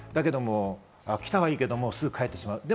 だけど、来たはいいけど、すぐ帰ってしまう。